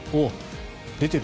出てる。